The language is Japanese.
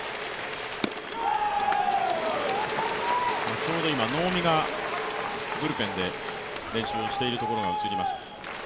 ちょうど今能見がブルペンで練習をしているところが映りました。